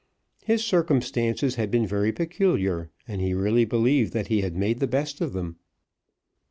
His circumstances had been very peculiar, and he really believed that he had made the best of them.